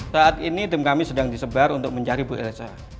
saat ini tim kami sedang disebar untuk mencari bu elsa